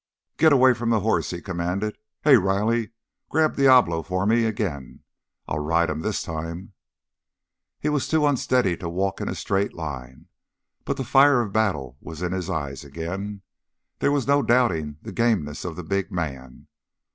"Get away from the horse!" he commanded. "Hey, Riley, grab Diablo for me again. I'll ride him this time." He was too unsteady to walk in a straight line, but the fire of battle was in his eyes again. There was no doubting the gameness of the big man.